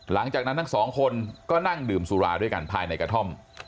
หลังจากนั้นทั้งสองคนก็นั่งดื่มสุราด้วยกันภายในกระท่อม